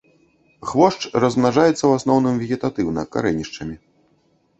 Хвошч размнажаецца ў асноўным вегетатыўна карэнішчамі.